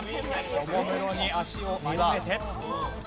おもむろに足を歩めて。